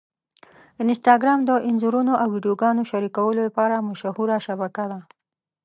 انسټاګرام د انځورونو او ویډیوګانو شریکولو لپاره مشهوره شبکه ده.